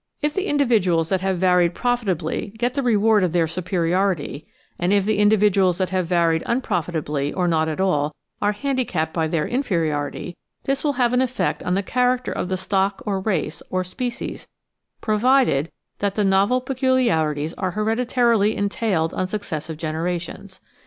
— If the individuals that have varied profit ably get the reward of their superiority, and if the individuals that have varied unprofitably, or not at all, are handicapped by their inferiority, this will have an effect on the character of the stock, or race, or species, provided that the novel peculiarities are hereditarily entailed on successive generations.